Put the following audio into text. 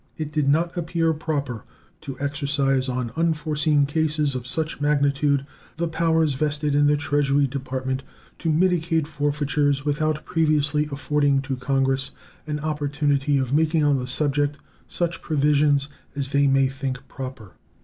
It did not appear proper to exercise on unforeseen cases of such magnitude the powers vested in the Treasury Department to mitigate forfeitures without previously affording to Congress an opportunity of making on the subject such provision as they may think proper.